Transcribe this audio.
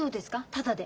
ただで。